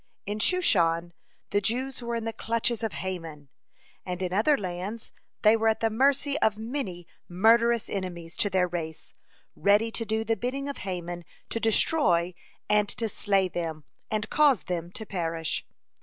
In Shushan the Jews were in the clutches of Haman, and in other lands they were at the mercy of many murderous enemies to their race, ready to do the bidding of Haman to destroy and to slay them, and cause them to perish.